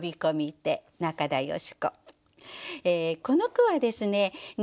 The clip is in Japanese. この句はですね